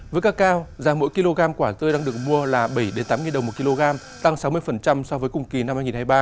với cao cao giá mỗi kg quả tươi đang được mua là bảy tám đồng một kg tăng sáu mươi so với cùng kỳ năm hai nghìn hai mươi ba